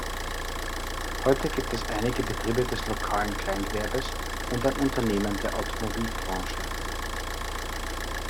Heute gibt es einige Betriebe des lokalen Kleingewerbes und ein Unternehmen der Automobilbranche.